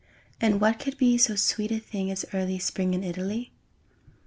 And what could be So sweet a thing As early Spring In Italy?